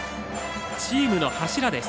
チームの柱です。